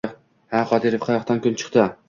Ha Qodirov, qayoqdan kun chiqdi